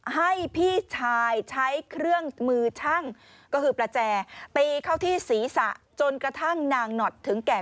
ให้พี่ชายใช้เครื่องมือชั่งก็คือประแจ